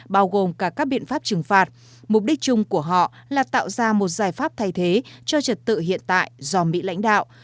bao gồm cả các biện pháp trừng phạt mục đích chung của họ là tạo ra một giải pháp thay thế cho trật tự hiện tại do mỹ lãnh đạo